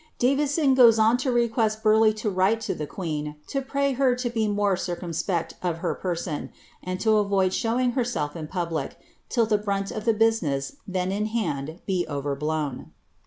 Davison goes on to re quest Burleigh to write to the quccu, to pray her to be more circum ippct of her person, and to avoid showing herself in public, till the brant of the business then in hund be overblown.'